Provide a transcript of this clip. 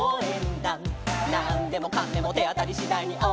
「なんでもかんでもてあたりしだいにおうえんだ！！」